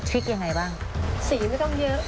พี่หนึ่งเคล็ดลับในความเหมือนจริงของมันอย่างนี้